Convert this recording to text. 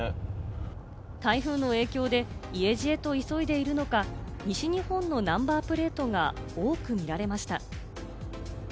台風の影響で家路へと急いでいるのか、西日本のナンバープレートが多く見られました。